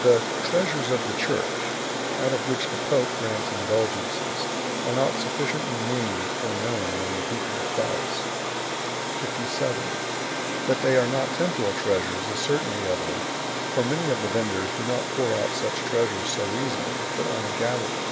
The "treasures of the Church," out of which the pope. grants indulgences, are not sufficiently named or known among the people of Christ. 57. That they are not temporal treasures is certainly evident, for many of the vendors do not pour out such treasures so easily, but only gather them.